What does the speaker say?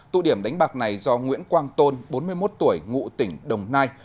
tụ điểm đánh bạc này do nguyễn quang tôn bốn mươi một tuổi ngụ tỉnh đồng nai